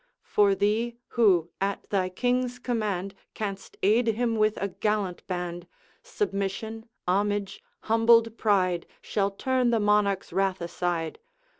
For thee, who, at thy King's command, Canst aid him with a gallant band, Submission, homage, humbled pride, Shall turn the Monarch's wrath aside.